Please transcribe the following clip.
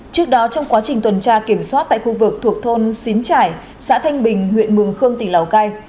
trước đó trong quá trình tuần tra kiểm soát tại khu vực thuộc thôn xín trải xã thanh bình huyện mường khương tỉnh lào cai